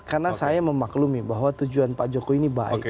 karena saya memaklumi bahwa tujuan pak joko ini baik